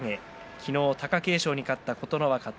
昨日、貴景勝に勝った琴ノ若と。